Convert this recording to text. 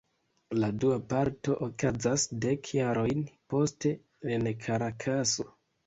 La dua parto okazas dek jarojn poste, en Karakaso.